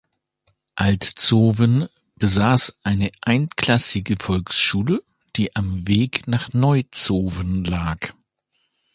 Alt Zowen besaß eine einklassige Volksschule, die am Wege nach Neu Zowen lag.